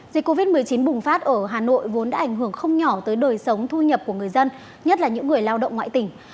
dịch covid một mươi chín bùng phát ở hà nội vốn đã ảnh hưởng không nhỏ tới đời sống thu nhập của người dân nhất là những người lao động ngoại tỉnh